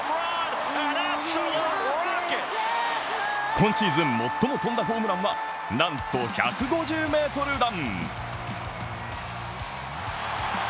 今シーズン最も飛んだホームランはなんと１５０ｍ弾。